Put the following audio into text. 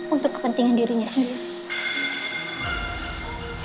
untuk kepentingan dirinya sendiri